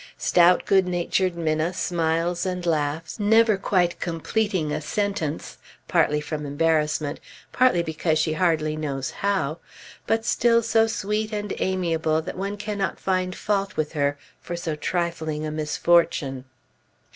Stout, good natured Minna smiles and laughs, never quite completing a sentence, partly from embarrassment, partly because she hardly knows how; but still so sweet and amiable that one cannot find fault with her for so trifling a misfortune.